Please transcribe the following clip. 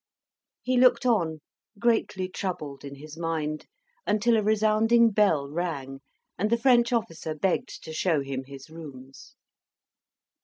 He looked on, greatly troubled in his mind, until a resounding bell rang, and the French officer begged to show him his rooms.